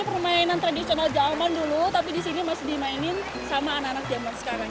permainan tradisional zaman dulu tapi di sini masih dimainin sama anak anak zaman sekarang